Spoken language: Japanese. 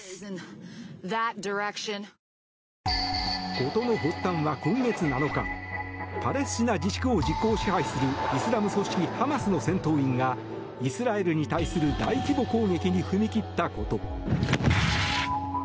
事の発端は今月７日、パレスチナ自治区を実効支配するイスラム組織ハマスの戦闘員がイスラエルに対する大規模攻撃に踏み切ったこと。